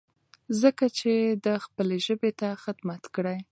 ځکه چې ده خپلې ژبې ته خدمت کړی.